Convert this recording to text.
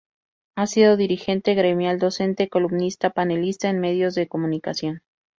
Ha sido dirigente gremial, docente, columnista y panelista en medios de comunicación.